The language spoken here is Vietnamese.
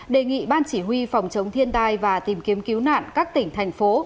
đề nghị ban chỉ huy phòng chống thiên tai và tìm kiếm cứu nạn các tỉnh thành phố